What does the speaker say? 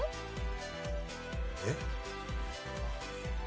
えっ？